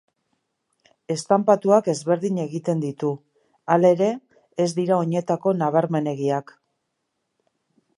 Estanpatuak ezberdin egiten ditu, halere, ez dira oinetako nabarmenegiak.